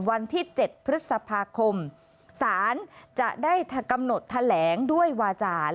วันที่๗พฤษภาคมศาลจะได้กำหนดแถลงด้วยวาจา